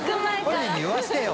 本人に言わせてよ。